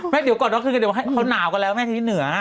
ไม่เดี๋ยวก่อนเขาหนาวกันแล้วที่เหนือ